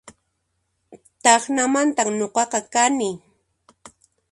Tacnamantan nuqaqa kani